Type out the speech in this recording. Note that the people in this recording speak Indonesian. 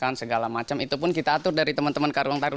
pemprov dki jakarta